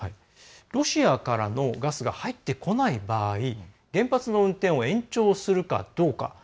ロシアからのガスが入ってこない場合原発の運転を延長するかどうか。